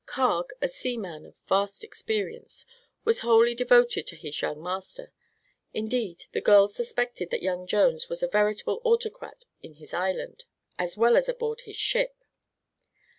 Carg, a seaman of vast experience, was wholly devoted to his young master. Indeed, the girls suspected that young Jones was a veritable autocrat in his island, as well as aboard his ship.